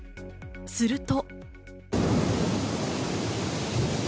すると。